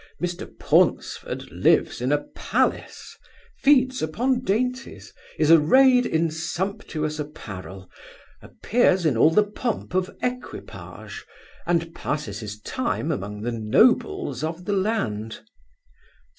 Mr Paunceford lives in a palace, feeds upon dainties, is arrayed in sumptuous apparel, appears in all the pomp of equipage, and passes his time among the nobles of the land.